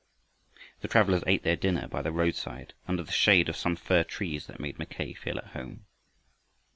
The travelers ate their dinner by the roadside under the shade of some fir trees that made Mackay feel at home.